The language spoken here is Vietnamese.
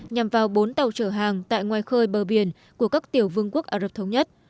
nhằm vào bốn tàu chở hàng tại ngoài khơi bờ biển của các tiểu vương quốc ả rập thống nhất